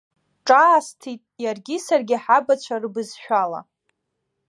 Ҿаасҭит иаргьы саргьы ҳабацәа рыбызшәала.